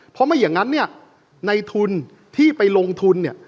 เพราะไม่อย่างนั้นในทุนที่ไปลงทุน